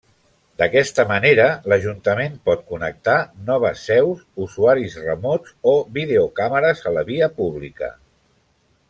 D'aquesta manera l'ajuntament pot connectar noves seus, usuaris remots o videocàmeres a la via pública.